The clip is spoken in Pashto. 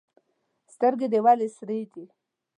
سترګي دي ولي سرې دي؟